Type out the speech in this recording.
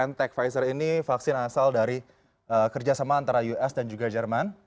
ntch pfizer ini vaksin asal dari kerjasama antara us dan juga jerman